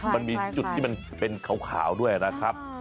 มันมีจุดที่มันเป็นขาวด้วยนะครับ